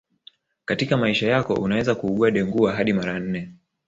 Katika maisha yako unaweza kuugua Dengua hadi mara nne